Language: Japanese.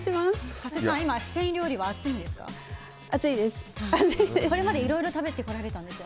加瀬さん、今スペイン料理は熱いんですか？